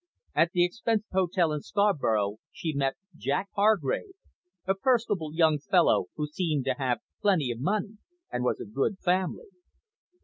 At the expensive hotel in Scarborough, she met Jack Hargrave, a personable young fellow, who seemed to have plenty of money, and was of good family.